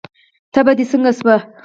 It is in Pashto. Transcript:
تبه دې څنګه شوه؟